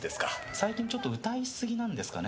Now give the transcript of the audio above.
最近ちょっと歌いすぎなんですかね。